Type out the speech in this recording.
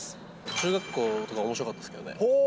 中学校とかおもしろかったですけどね。